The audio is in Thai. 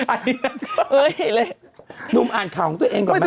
อันนี้น่ะเฮ้ยเห็นเลยนุ่มอ่านข่าวของตัวเองก่อนไหม